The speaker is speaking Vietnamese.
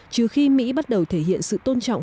trừ khi mỹ bắt đầu thể hiện sự tôn trọng